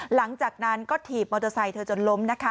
หลังจากนั้นก็ถีบมอเตอร์ไซค์เธอจนล้มนะคะ